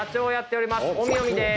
おみおみです。